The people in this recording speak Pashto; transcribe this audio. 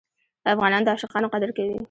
افغانان د عاشقانو قدر کوي.